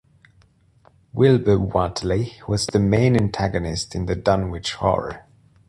Wilbur Whately was the main antagonist in the Dunwich Horror.